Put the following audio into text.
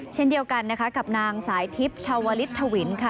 เช่นเดียวกันนะคะกับนางสายทิพย์ชาวลิศทวินค่ะ